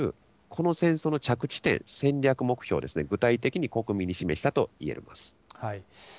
この戦争の着地点、戦略目標ですね、具体的に国民に示したといえます。